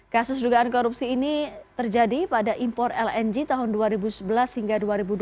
kasus dugaan korupsi ini terjadi pada impor lng tahun dua ribu sebelas hingga dua ribu dua puluh